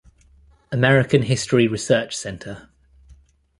American History Research Center.